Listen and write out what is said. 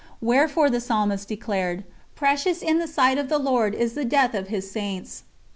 Wherefore the Psalmist declared: 'Precious in the sight of the Lord is the death of His Saints.'